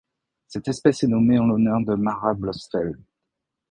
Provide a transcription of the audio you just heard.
Cette espèce est nommée en l'honneur de Māra Blosfelds.